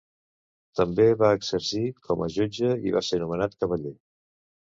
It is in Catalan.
També va exercir com a jutge i va ser nomenat cavaller.